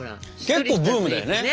結構ブームだよね。